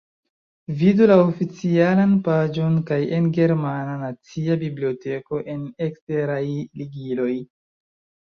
Vidu la oficialan paĝon kaj en Germana Nacia Biblioteko en eksteraj ligiloj.